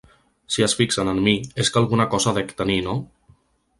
Si es fixen en mi és que alguna cosa dec tenir, no?